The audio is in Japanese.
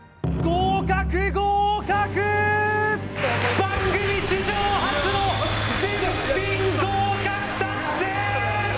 番組史上初の全品合格達成！